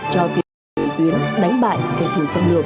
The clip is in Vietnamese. cho tiến sĩ tuyến đánh bại kẻ thù xâm lược